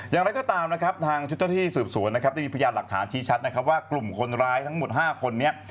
อย่างไรก็ตามทางชุดเจ้าที่สืบสวนมีพยาบร์หลักฐานชี้ชัดว่ากลุ่มคนร้ายทั้งหมด๕คนนี้